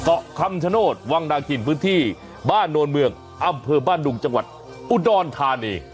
เกาะคำชโนธวังนาคินพื้นที่บ้านโนนเมืองอำเภอบ้านดุงจังหวัดอุดรธานี